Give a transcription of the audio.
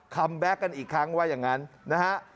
แบ็คกันอีกครั้งว่าอย่างนั้นนะฮะ